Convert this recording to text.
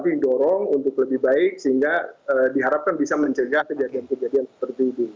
didorong untuk lebih baik sehingga diharapkan bisa mencegah kejadian kejadian seperti ini